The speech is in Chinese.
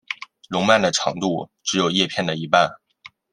笼蔓的长度只有叶片的一半。